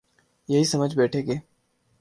یہی سمجھ بیٹھے کہ